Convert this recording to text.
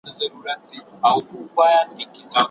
پرېکړې بايد د زور پر ځای په خوښه پلي سي.